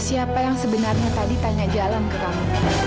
siapa yang sebenarnya tadi tanya jalan ke kami